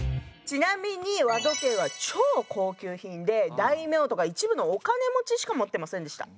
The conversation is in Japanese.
ちなみに和時計は超高級品で大名とか一部のお金持ちしか持ってませんでした。